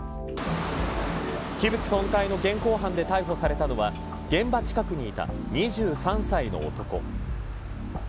器物損壊の現行犯で逮捕されたのは、現場近くにいた２３歳の男。